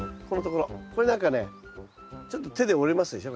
これなんかねちょっと手で折れますでしょ